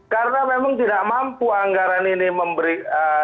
karena memang tidak mampu anggaran ini memberi